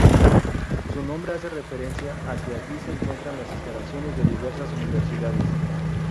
Su nombre hace referencia a que allí se encuentran las instalaciones de diversas universidades.